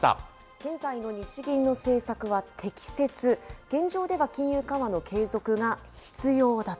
現在の日銀の政策は適切、現状では金融緩和の継続が必要だと。